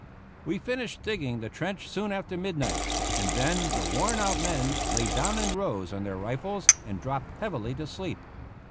We finished digging the trench soon after midnight, and then the worn out men laid down in rows on their rifles and dropped heavily to sleep.